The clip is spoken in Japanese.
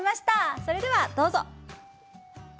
それでは、どうぞ！